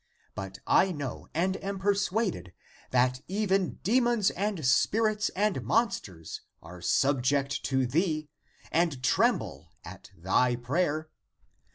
But I know and am persuaded that even demons and spirits and monsters are subject to thee, and tremble at thy prayer.